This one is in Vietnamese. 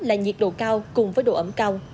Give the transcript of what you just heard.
là nhiệt độ cao cùng với độ ấm cao